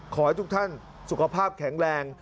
ขอให้ทุกท่านสุขภาพแข็งแรง